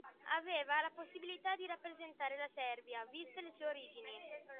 Aveva la possibilità di rappresentare la Serbia viste le sue origini.